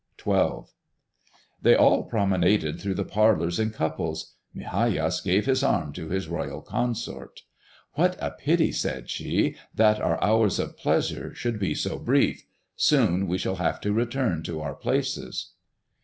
XII. They all promenaded through the parlors in couples. Migajas gave his arm to his royal consort. "What a pity," said she, "that our hours of pleasure should be so brief! Soon we shall have to return to our places."